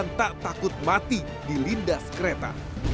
yang tak takut mati dilindas kereta